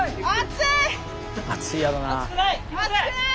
暑いやろな。